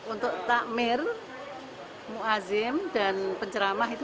untuk takmir muazim dan penceramah itu seratus